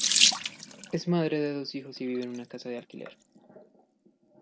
Es madre de dos hijos y vive en una casa de alquiler.